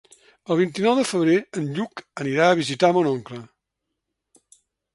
El vint-i-nou de febrer en Lluc anirà a visitar mon oncle.